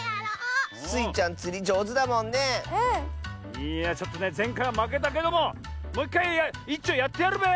いやちょっとねぜんかいはまけたけどももういっかいいっちょやってやるべ！